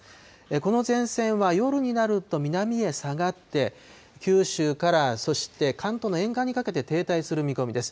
この前線は夜になると南へ下がって、九州から、そして関東の沿岸にかけて停滞する見込みです。